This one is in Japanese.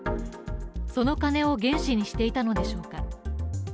その金を原資にしていたのでしょうか？